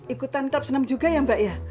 ikutan klub senam juga ya mbak ya